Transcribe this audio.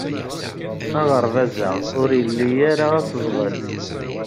Aɣerbaz-a ur ili ara asseẓɣel.